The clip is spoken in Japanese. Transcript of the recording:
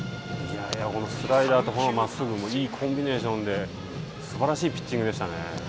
このスライダーとこのまっすぐもいいコンビネーションですばらしいピッチングでしたね。